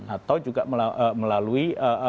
atau juga melalui